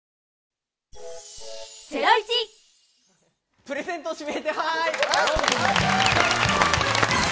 プレゼント指名手配！